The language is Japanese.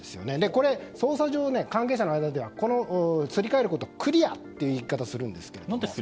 これ、捜査上関係者の間ではすり替えることをクリアって言い方をするんです。